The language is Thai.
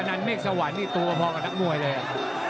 ันเมฆสวรรค์นี่ตัวพอกับนักมวยเลย